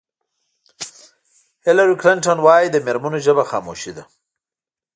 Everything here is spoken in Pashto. هېلري کلنټن وایي د مېرمنو ژبه خاموشي ده.